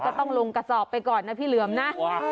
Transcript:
ต้องลงกระสอบไปก่อนนะพี่เหลือมนะ